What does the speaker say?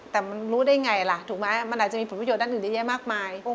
แต่มันรู้ได้ไงล่ะถูกไหมมันอาจจะมีผลประโยชนด้านอื่นเยอะแยะมากมาย